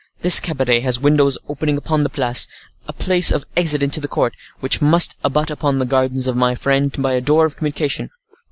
"This cabaret has windows opening upon the Place, a place of exit into the court, which must abut upon the gardens of my friend by a door of communication."